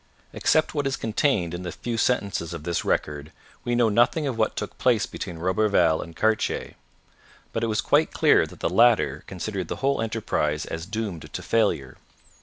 Except what is contained in the few sentences of this record we know nothing of what took place between Roberval and Cartier. But it was quite clear that the latter considered the whole enterprise as doomed to failure.